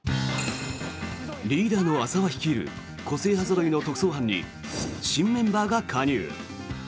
リーダーの浅輪率いる個性派ぞろいの特捜班に新メンバーが加入。